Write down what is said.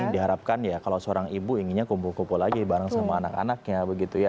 diharapkan ya kalau seorang ibu inginnya kumpul kumpul lagi bareng sama anak anaknya begitu ya